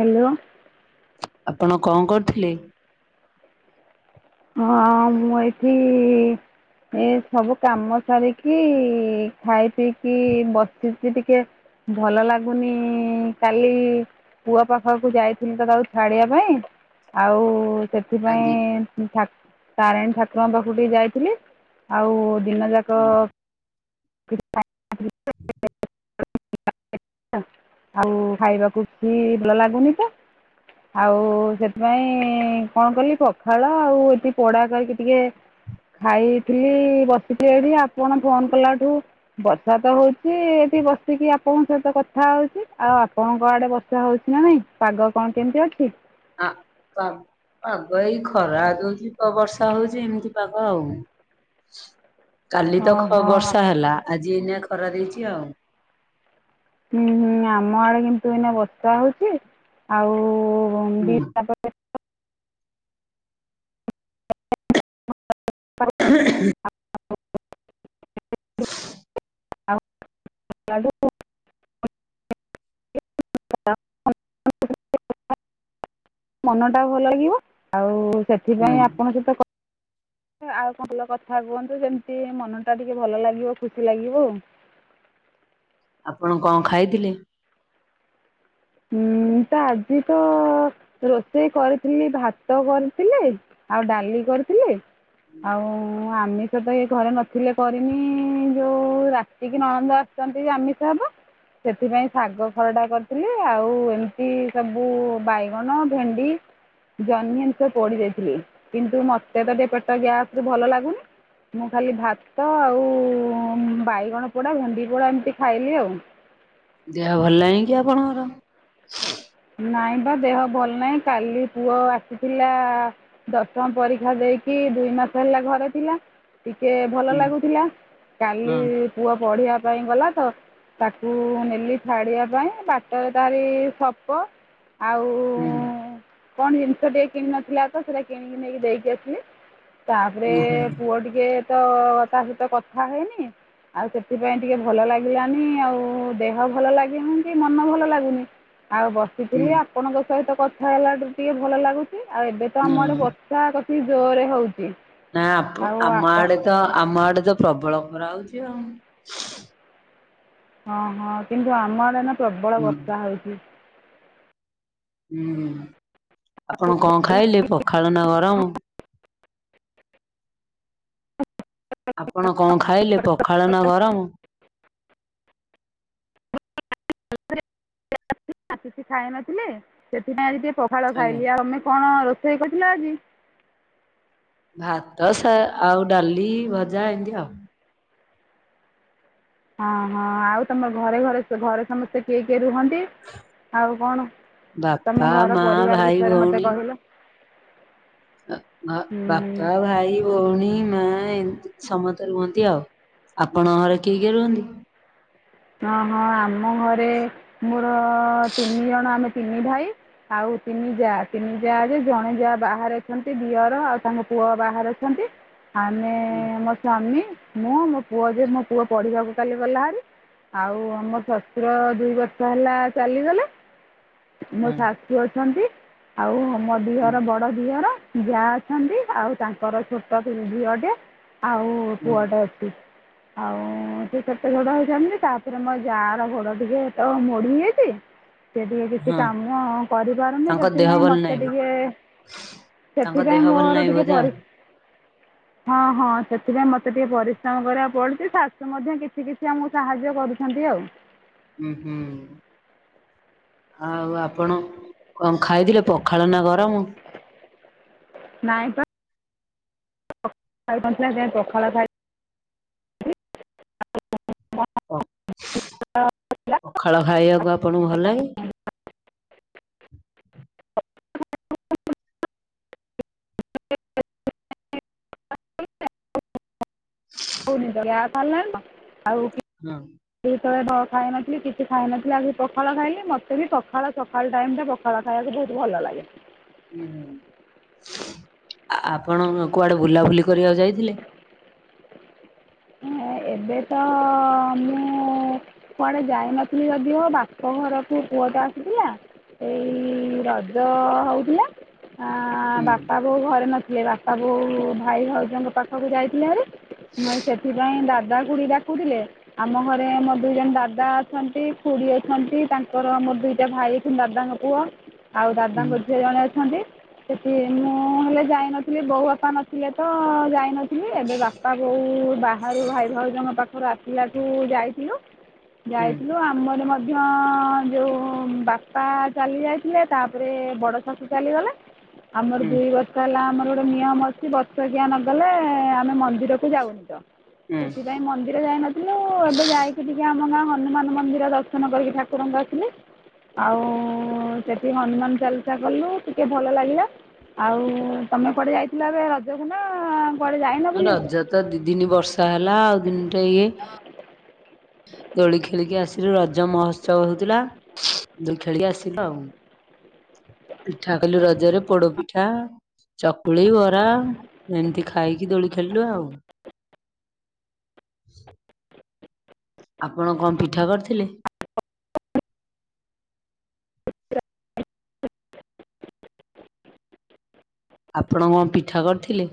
Hello. ଆପଣ କଣ କରୁଥିଲେ? ହଁ ମୁଁ ଏଇଠି ଏ ସବୁ କାମ ସାରିକି ଖାଇ ପିଇକି ବସିଛି ଟିକେ ଭଲ ଲାଗୁନି କାଲି ପୁଅ ପାଖକୁ ଯାଇଥିଲି ତ ତାକୁ ଛାଡିବା ପାଇଁ ଆଉ ସେ ଆଜ୍ଞା ସେଥିପାଇଁ ତା ତାରିଣୀ ଠାକୁରଙ୍କ ପାଖକୁ ଟିକେ ଯାଇଥିଲି। ଆଉ ଦିନ ଯାକ ହୁଁ [unintelligible] ଆଉ ଖାଇବାକୁ କି ଭଲ ଲାଗୁନି ତ। ଆଉ ସେଥିପାଇଁ କଣ କଲି ପଖାଳ ହ ଆଉ ଏଠି ପୋଡା କରିକି ଟିକେ ଖାଇଥିଲି ବସିଥିଲି ଏଇଠି ଆପଣ ଫୋନ୍ କଲାଠୁ ବର୍ଷା ତ ହଉଛି, ଏଠି ବସିକି ଆପଣଙ୍କ ସହିତ କଥା ହଉଛି ଆଉ ଆପଣଙ୍କ ଆଡେ ବସ ବର୍ଷା ହଉଛି ନା ନାଇଁ, ପାଗ କଣ କେମିତି ଅଛି? ଆ ପା ପାଗ ଏଇ ଖରା ଦଉଛି ତ। ବର୍ଷା ହଉଛି ଏମିତି ପାଗ ଆଉ, କାଲି ତ ଖ ଓହୋ ବର୍ଷା ହେଲା। ଆଜି ଏଇନା ଖରା ଦେଇଛି ଆଉ ହୁଁ ହୁଁ ଆମ ଆଡେ କିନ୍ତୁ ଏଇନା ବର୍ଷା ହଉଛି ଆଉ ହୁଁ ବି ତାପରେ [inaudible] [unintelligible] [inaudible] [unintelligible] ମନ ଟା ଭଲ ଲାଗିବ, ଆଉ ହୁଁ। ସେଥିପାଇଁ ଆପଣଙ୍କ ସହିତ କ ଆଉ ଭଲ କଥା କୁହନ୍ତୁ, ସେମିତି ମନଟା ଟିକେ ଭଲ ଲାଗିବ ଖୁସି ଲାଗିବ ଆଉ। ଆପଣ କଙ୍ ଖାଇଥିଲେ? ହୁଁ ତ ଆଜି ତ ରୋଷେଇ କରିଥିଲି। ଭାତ କରିଥିଲି। ଆଉ ଡାଲି କରିଥିଲି। ଆଉ ଆମିଷ ତ ଇଏ ଘରେ ନଥିଲେ କରିନି ଯୋଉ ରା କିି ନଣନ୍ଦ ଆସିଛନ୍ତି ଆମିଷ ହେବ, ସେଥିପାଇଁ ଶାଗ ଖରଡା କରିଥିଲି। ଆଉ ଏମିତି ସବୁ ବାଇଗଣ ଭେଣ୍ଡି ଜହ୍ନିି ଟିକେ ପୋଡି ଦେଇଥିଲି କିନ୍ତୁ ମତେ ତ ଟିକେ ପେଟ ଗ୍ୟାସ ଭଲ ଲାଗୁନି ମୁଁ ଖାଲି ଭାତ ଆଉ ବାଇଗଣ ପୋଡା, ଭେଣ୍ଡି ପୋଡ଼ା ଏମିତି ଖାଇଲି ଆଉ। ଦେହ ଭଲ ନାହିଁ କି ଆପଣଙ୍କର? ନାଇଁ ବା ଦେହ ଭଲ ନାହିଁ କାଲି ପୁଅ ଆସିଥିଲା ଆ ଦଶମ ପରୀକ୍ଷା ଦେଇକି, ଦୁଇ ମାସ ହେଲା ଘରେ ଥିଲା। ଟିକେ ଭଲ ହୁଁ ଲାଗୁଥିଲା, ହଁ କାଲି ପୁଅ ପଢିବା ପାଇଁ ଗଲା ତ ତାକୁ ନେଲି ଛାଡିବା ପାଇଁ ବାଟରେ ତାରି ସପ ଆଉ ହୁଁ। କଣ ଜିନିଷ ଟିକେ କିଣିନଥିଲା ତ ସେଇଟା କିଣିକି ନେଇକି ଦେଇକି ଆସିଲି? ତାପରେ ହୁଁ ହୁଁ ପୁଅ ଟିକେ ତ ତା ସହିତ କଥା ହେଇନି? ଆଉ ସେଥିପାଇଁ ଟିକେ ଭଲ ଲାଗିଲାନି, ଆଉ ଦେହ ଭଲ ଲାଗନି କି ମନ ଭଲ ଲାଗୁନି। ଆଉ ହୁଁ ବସିଥିଲି ହଁ। ଆପଣଙ୍କ ସହିତ କଥା ହେଲାଠୁ ଟିକେ ଭଲ ଲାଗୁଛି ଆଉ ଏବେ ତ ଆମ ଆଡେ ବସ ତା କତିକି ଜୋରରେ ହଉଛି। ନା ଆପ ଆମ ଆଡେ ତ ଆମ ଆଡେ ତ ପ୍ରବଳ ଖରା ହଉଛି ଆଉ ହଁ ହଁ କିନ୍ତୁ ଆମର ନା ପ୍ରବଳ ହୁଁ ବର୍ଷ ହଉଛି। ହୁଁ ଆପଣ କଣ ଖାଇଲେ? ପଖାଳ ନା ଗରମ ଆପଣ କଣ ଖାଇଲେ? ପଖାଳ ନା ଗରମ କିଛି ଖାଇନଥିଲେ ସେଥିପାଇଁ ଆଜି ଟିକିଏ ପଖାଳ ଆଜ୍ଞା। ଖାଇଲି ଆଉ ଆମେ କଣ ରୋଷେଇ କରିଥିଲା ଆଜି ଭାତ ସ ଆଉ ଡାଲି ଭଜା ଏମିତି ଆଉ ହଁ ହଁ ଆଉ ତମ ଘରେ ଘରେ ଘରେ ସମସ୍ତେ କିଏ କିଏ ରୁହନ୍ତି? ଆଉ କଣ ବାପା ତମ ଘର ମା ପରିବାର ଭାଇ ବିଷୟରେ ମତେ କହିଲ? ଓ ଆ ହୁଁ ହୁଁ ବାପା ଭାଇ ଭଉଣୀ ମା ଏମୀତି ସମସ୍ତେ ରୁହନ୍ତି ଆଉ ଆପଣ ଘରେ କିଏ କିଏ ରୁହନ୍ତି? ଓ ହଁ ଆମ ଘରେ ମୋର ତିନି ଜଣ ଆମେ ତିନି ଭାଇ ଆଉ ତିନି ଯା ତିନି ଯା ଯେ ଜଣେ ଯା ବାହାରେ ଅଛନ୍ତି, ଦିଅର ଆଉ ତାଙ୍କ ପୁଅ ବାହାରେ ଅ ଛନ୍ତି। ଆମେ ମୋ ସ୍ଵାମୀ ମୁଁ ମୋ ପୁଅ, ଯେ ମୋ ପୁଅ ପଢ଼ିବାକୁ କାଲି ଗଲା ହାରି। ଆଉ ଆମ ଶଶୁର ଦୁଇ ବର୍ଷ ହେଲା ଚାଲିଗଲେ। ମୋ ହଁ ଶାଶୁ ଅଛନ୍ତି, ଆଉ ମୋ ଦିଅର ହୁଁ ବଡ ଦିଅର। ଯା ଅଛନ୍ତି ଆଉ ତାଙ୍କର ଛୋଟ ପି ଝିଅଟେ ଆଉ ସେ ପୁଅଟା ଅଛି, ଆଉ ସେ କେତେ ଝଡା ହଉଛି ତା ହିରେ ମୋ ଯା ର ଗୋଡ ଟିକେ ତ ମୋଡିହେଇ ଯାଇଛି ସିଏ ଟିକେ କିଛି ହଁ କାମ କରିପାରୁନି ତାଙ୍କ ଦେହ ସେଥିପାଇଁ ଭଲ ମତେ ନାହିଁ ଟିକେ ତାଙ୍କ ସେଥିପାଇଁ ଦେହ ଭଲ ମୋର ନାହିଁ ଟିକେ ବୋଧେ ଆଉ। ପରି [inaudible] ହଁ ହଁ ସେଥିପାଇଁ ମତେ ଟିକେ ପରିଶ୍ରମ କରିବାକୁ ପଡୁଛି ଶାଶୁ ମଧ୍ୟ କିଛି କିଛି ଆମକୁ ସାହାଯ୍ୟ କରୁଛି ଶନ୍ତି ଆଉ ହୁଁ ହୁଁ ହ ଆଉ ଆପଣ କଣ ଖାଇଥିଲେ ପଖାଳନା ଗରମ ନାଇଁ ପା ଚାରି ପାଞ୍ଚ ହ ପଖାଳ ପାଇ ଅ ପଖାଳ ଖାଇବାକୁ ଆପଣଙ୍କୁ ଭଲ ଲାଗେ? [unintelligible] [unintelligible] ତାଲ ନହିଁ ନ ଆଉ ହଁ ଯେତେବେଳେ ବା ଖାଇନଥିଲି କିଛି ଖାଇନଥିଲି ଆଉ ସେ ପଖାଳ ଖାଇଲି ମୋତେ ବି ପଖାଳ ଚ ଖାଲ ଟାଇମ ଟା ପଖାଳ ଖାଆବାକୁ ବହୁତ ଭଲ ଲାଗେ ହୁଁ ହୁଁ ଆ ଆପଣ କୁଆଡେ ବୁଲାବୁଲି କରିବାକୁ ଯାଇଥିଲେ? ଏବେ ତ ମୁ କୁଆଡେ ଯାଇନଥିଲି ଯଦିଓ ବାପ ଘରକୁୁ ପୁଅ ଟା ଆସିଥିଲା। ଏଇ ରଜ ହଉଥିଲା ଆ ହୁଁ ବାପା ବୋଉ ଘରେ ନ ବାପା ବୋଉ ଭାଇ ଭାଉଜଙ୍କ ପାଖକୁ ଯାଇଥିଲେ ହାରି ଆଉ ସେଥିପାଇଁ ଦାଦା ଖୁଡି ଡାକୁଥିଲେ। ଆମ ଘରେ ଆମ ଦିଇ ଜଣ ଦାଦା ଅଛନ୍ତି ଖୁଡି ଅଛନ୍ତି ତାଙ୍କର ଆମର ଦିଟା ଭାଇ କି ଦାଦା ହବ ପୁଅ ଆଉ ହୁଁ ଦାଦାଙ୍କ ଝିଅ ଜଣେ ଅଛନ୍ତି। ସେଠି ମୁଁ ହେଲେ ଯାଇନଥିଲି ବୋଉ ବାପା ନଥିଲେ ତ ଯାଇନ ଥିଲି ଏବେ ବାପା ବୋଉ ବାହାରୁ ଭାଇ ଭାଉଜଙ୍କ ପାଖରୁ ଆସିଲା ଠୁଁ ଯାଇଥିଲୁ। ହୁଁ ଯାଇଥିଲୁ ଆମର ମ ଧ୍ୟ ଯୋଉଁ ବାପା ଚାଲି ଯାଇଥିଲେ ତାପରେ ବଡ ଶାଶୁ ଚାଲିଗଲେ। [inaudible] ଆମର ଦୁଇ ବର୍ଷ ହେଲା ଆମର ଗୋଟେ ନିୟମ ଅଛି। ବର୍ଷ କିଆ ନଗଲେ ଆମେ ମନ୍ଦିରକୁ ଯାଉନି ତ। ସେଥିପାଇଁ ମନ୍ଦିର ଯାଇନଥ ଇଲୋ ଯାଇକି ଟିକେ ଆମ ଗାଁ ହନୁମାନ ମନ୍ଦିର ଦର୍ଶନ କରିକି ଠାକୁରଙ୍କ ଆସିଲେ। ଆଉ ସେଠି ହନୁମାନ ଚାଲିସା କଲୁ ଟିକେ ଭଲ ଲାଗିଲା। ଆଉ ତମେ କୁଆଡେ ଡେ ଯାଇଥିଲ ଏବେ ରଜ ଦିନ। ରଜ ତ ଦି ଦିନ ବର୍ଷା ହେଲା ଆଉ ଦିନିଟା ଇଏ। ଦୋଳି ଖେଳିକି ଆସିଲୁ ରଜ ମହୋତ୍ସବ ହଉଥିଲା। ଯ ଖେଳିକି ଆସିଲ ଆଉ [unintelligible] ପିଠା ଖାଇଲୁ ରଜରେ ପୋଡ ପିଠା। ଚକୁଳି ବରା ଏମିତି ଖାଇକି ଦୋଳି ଖେଳିଲୁ ଆଉ ଆପଣ କଣ ପିଠା କରିଥିଲେ। [unintelligible] ଆପଣ କଣ ପିଠା କରିଥିଲେ।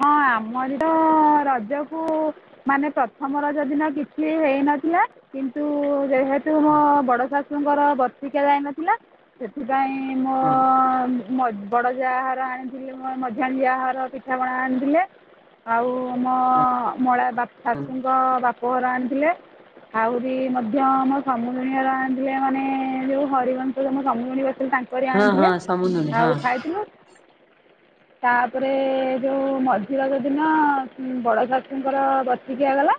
ହଁ ଆମର ତ ରଜକୁ ମାନେ ପ୍ରଥମ ର ଯଦିିନ କିଛି ହେଇନଥିଲା। କିନ୍ତୁ ଯେହେତୁ ମୋ ବଡ ଶାଶୁଙ୍କର ବର୍ତିିକା ଯାଇନଥିଲା। ସେଥିପାଇଁ ମୁଁ ହୁଁ। ବଡ ଯାହାହାର ଆଣିଥିଲି ମଝିଆ ଯାହାହାର ପଠାବଣା ଆଣିେ ଆଉ ମୋ ମଳା ହୁଁ ବାକୁ ବାପଘର ଆଣିଥିଲେ। ଆହୁରି ମଧ୍ୟ ଆମ ସମୁଦୁଣୀର ମାନେ ଯୋଉ ହରିବଶ ସମୁଜଣୀ ବଥିଲ ତାଙ୍କ କରି ହଁ ଆଣିଥିଲେ ହଁ ସମୁଦୁଣି ହଁ ଆଉ ଖାଇଥିଲୁ। ତାପରେ ଯୋଉ ମଝି ରଜ ଦିନ ବଡ ସାସୁଙ୍କର ବଷର୍ଷିକିଆଗଲା।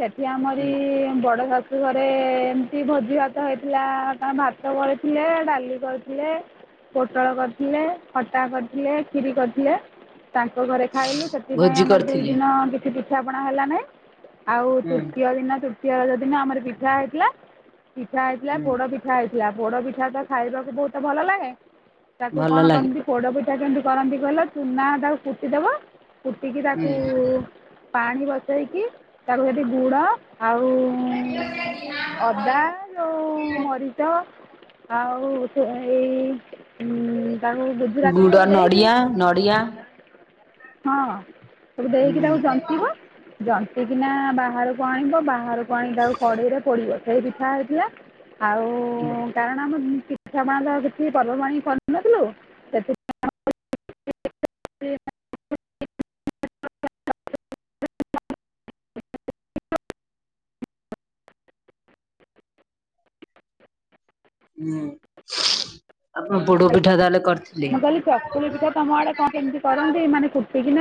ସେଠି ଆମରି ହୁଁ ବଡା ଘରେ ଏମତି ଭୋଜି ଭାତ ହେଇଥିଲା କ ଭାତ କରିଥିଲେ, ଡାଲି କରିଥିଲେ। ପୋଟଳ କରିଥିଲେ, ଖଟା କରିଥିଲେ, ଖିରି କରିଥିଲେ। ତାଙ୍କ ଘରେ ଖାଇଲୁ ସେଥିପାଇଁ ଭୋଜି ଆମର ଦୁଇ କରିଥିଲି। ଦିନ କିଛି ପିଠାପଣା ହେଲା ନାଇଁ। ଆଉ ହୁଁ ତୃତୀୟ ଦିନ ତୃତୀୟ ରଜ ଦିନ ଆମର ପିଠା ହେଇଥିଲା। ପିଠା ହେଇଥିଲା ହୁଁ ପୋଡ ପିଠା। ପିଠା ହେଇଥିଲା ପୋଡ ପିଠା ତ ଖାଇବାକୁ ବହୁତ ଭଲ ଲାଗେ। ତାକୁ ଭଲ କଣ ଲାଗେ କରନ୍ତି? ପୋଡ଼ପିଠା କେମିତି କରନ୍ତି କହିଲ, ଚୁନା ତାକୁ କୁଟିଦବ କୁଟିକି ତାକୁ ହୁଁ ପାଣି ବସେଇକି ତାକୁ ଯଦି ଗୁଡ, ଆଉ ଅଦା, ଯଉ ମରିଚ ଆଉ ଏଇ ତାକୁ ଗୁଜୁରାତି ସବୁ ଦେଇକି। ନଡ଼ିଆ। ହଁ, ତାକୁ ଦେଇକି ହୁଁ ତାକୁ ଜନ୍ତିବ। ଯନ୍ତି କିିନା ବାହାରକୁ ଆଣିବ ବାହାରକୁ ଆଣିକି ଆକୁ କଡ଼େଇରେ ପଡ଼ିବ। ସେଇ ପିଠା ହେଇଥିଲା। ଆଉ ହୁଁ କାରଣ ଆମ ପିଠାପଣା କିଛି ପର୍ବପର୍ବାଣି କରିନଥିଲୁ। ସେଥିପାଇଁ [unintelligible] ହୁଁ, ଆପଣ ପୋଡ ପିଠା ତାହେଲେ କରି। ମୁଁ କହିଲି ଚକୁଲ ପିଠା ତମ ଆଡେ କଣ କେମିତି କରନ୍ତି ମାନେ କୁଟିକି?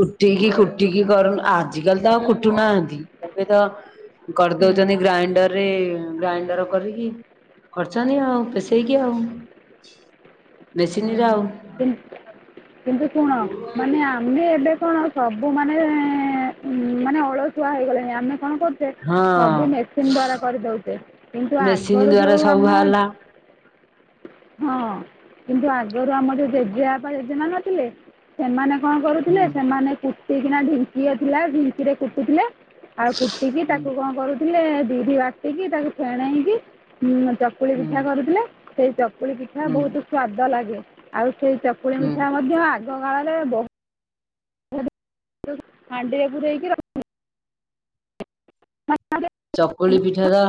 କୁଟିକୁଟିକି କରନ ଆଜିକା ତ ଆଉ କୁଟୁନାହାନ୍ତି। ଏବେ ତ କରିଦଉଛନ୍ତି ଗ୍ରାଇଣ୍ଡର ରେ ଗ୍ରାଇଣ୍ଡର କରିଅଛି। କରଛନ୍ତି ଆଉ ପେଷେଇକି ଆଉ। ହୁଁ ମେସିନରେ ଆଉ ହୁଁୁ କିନ୍ତୁ ଶୁଣ ମନ୍ୟା [unintelligible] ଆମେ ଏବେ କଣ ସବୁ ମାନେ ମାନେ ଅଳସୁଆ ହେଇଗଲେଣି ଆମେ କଣ କରୁଛ? ସେ ହଁ ସବୁ ମେସିନ ଦ୍ଵାରା କରିଦଉଛେ। କିନ୍ତୁ ମେସିନ ଆଗରୁ ଦ୍ଵାରା ଯୋଉ ସବୁ ଆମ ବାହାରିଲା ହଁ, କିନ୍ତୁ ଆଗରୁ ଆମର ଯୋଉ ଜେଜେଆ ବା ଜେଜେ ମ ନଥିଲେ। ସେମାନେ କଣ ହୁଁ କରୁଥିଲେ? ସେମାନେ କୁଟିକିନା ଢିଙ୍କି ଥିଲା ଢିଙ୍କି ରେ କୁଟୁଥିଲେ। ଆଉ କୁଟିକି ତା। ହୁଁ କୁ କଣ କରୁଥିଲେ? ବିରି ବାଟିକି ତାକୁ ଫେଣେଇକି ଚକୁଳି ହୁଁ ପିଠା କରୁଥୁଲେ ସେଇ ଚକୁଳି ପିଠା ହୁଁ ବୋହୁତୁ ସ୍ଵାଦ ଲାଗେ ଆଉ ସେଇ ଚ ଚକୁଳି ପିଠା ହୁଁ ମଧ୍ୟ ଆଗ କାଳରେ ବହୁ ତ ହାଣ୍ଡିରେ ପୁରେଇକି ର ଚକୁଳି ପିଠାଟା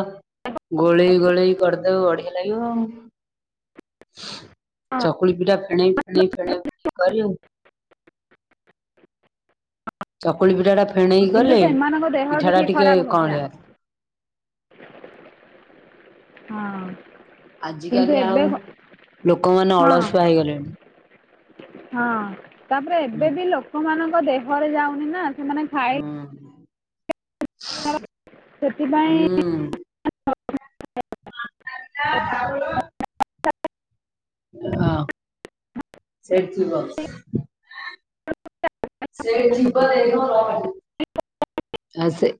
ଗୋଳେଇ ଗୋଳେଇ କରିଦବ ବଢିଆ ଲାଗିବ। ରଖୁଥିଲେ ଚକୁଳି ପିଠା ଫେଣେଇ ଫେଣେଇ ଫେଣେଇ ଫେଣେଇ କରିବୁ ଚକୁଳି ପିଠାଟା ଫେଣେଇକି କିନ୍ତୁ କଲେ ସେମାନଙ୍କ ଦେହ ପିଠାଟା କିଛି ଟିକେ ଖରାପ ହେଉନଥିଲା କଅଁଳିଆ। ହଁ। କିନ୍ତୁ ଆଜିକାଲି ଏବେ ଆଉ ଲୋକମାନେ ହଁ ଅଳସୁଆ ହେଇଗଲେଣି। ହଁ ତାପରେ ହୁଁ। ଏବେ ବି ଲୋକମାନଙ୍କ ଦେହରେ ଯାଉନି ନା ସେମାନେ ଖା ହୁଁ ହୁଁ। [unintelligible] ସେଥିପାଇଁ ହୁଁ। ହଁ ତା [unintelligible] ଅ ସେଇଠି ଥିବ ସେଇଠି ଥିବ ଏ [unintelligible] ନା ସେ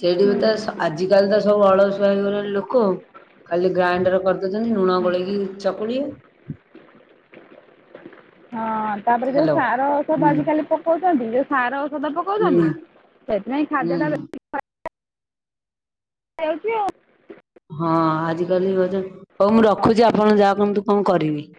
ସେଇଥିରୁ ହୁଁ, ତ ସ ଆଜିକାଲି ତ ସବୁ ଅଳସୁଆ ହେଇଗଲେଣି ଲୋକ ଖାଲି ଗ୍ରାଇଣ୍ଡର କରି କରଚନ୍ତି ଲୁଣ ହୁଁ, ଗୋଳେଇକି ଚକୁଳି। ହଁ ତାପରେ ଯୋଉ ହ୍ୟାଲୋ। ସାର ଓଷଧ ହୁଁ ଆଜି କାଲି ପକୋଉଚନ୍ତି ଯୋଉ ସାର ଓଷଧ ହୁଁ ପକୋଉଚନ୍ତି ସେଥିପାଇଁ ହୁଁ। ଖାଦ୍ୟଟା ବେ ଚାଲଚି ଆଉ। ହଁ ଆଜିକାଲି ହୋଉଚି ହୋଉ ମୁଁ ରଖୁଚି ଆପଣ ଯା କୁହନ୍ତୁ କଣ କରିବି।